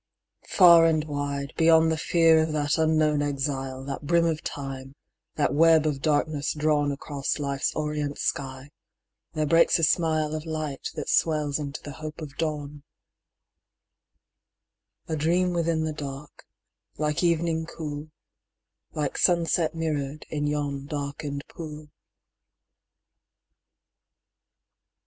Far and wide, Beyond the fear of that unknown exile, That brim of Time, that web of darkness drawn Across Life's orient sky, there breaks a smile Of light that swells into the hope of dawn : A dream within the dark, like evening cool, Like sunset mirror'd in yon darken'd pool.